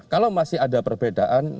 kalau masih ada perbedaan